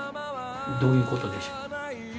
どういうことでしょう？